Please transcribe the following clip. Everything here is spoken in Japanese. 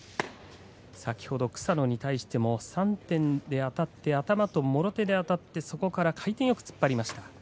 先ほど草野に対しても３点であたって頭ともろ手であたってそこから回転よく突っ張りました。